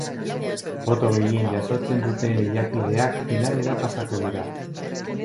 Boto gehien jasotzen duten lehiakideak finalera pasako dira.